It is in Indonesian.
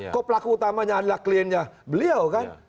kok pelaku utamanya adalah kliennya beliau kan